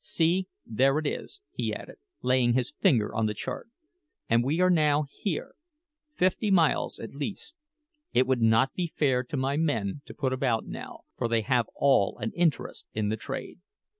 See, there it is," he added, laying his finger on the chart; "and we are now here fifty miles, at least. It would not be fair to my men to put about now, for they have all an interest in the trade."